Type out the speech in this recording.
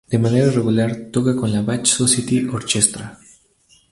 De manera regular toca con la Bach Society Orchestra.